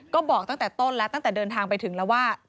ก็บอกตั้งแต่ต้นแล้วตั้งแต่เดินทางไปถึงแล้วว่า